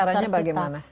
itu caranya bagaimana